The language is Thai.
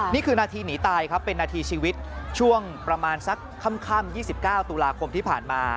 นี่คือนาทีหนีตายครับเป็นนาทีชีวิตช่วงประมาณสักค่ำ๒๙ตุลาคมที่ผ่านมา